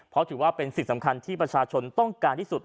เพราะถือว่าเป็นสิ่งสำคัญที่ประชาชนต้องการที่สุด